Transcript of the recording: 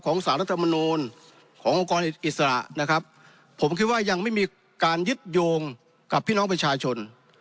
สารรัฐมนูลขององค์กรอิสระนะครับผมคิดว่ายังไม่มีการยึดโยงกับพี่น้องประชาชน